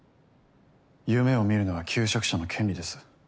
夢をみるのは求職者の権利です。